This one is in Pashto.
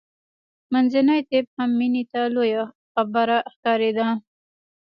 منځنی طب هم مینې ته لویه خبره ښکارېده